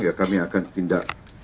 ya kami akan tindak